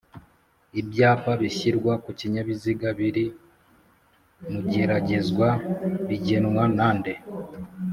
Ibyapa bishyirwa kukinyabiziga biri mugeragezwa bigenwa nande?